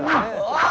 ああ！